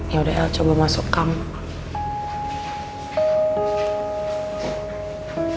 yaudah el coba masuk kamar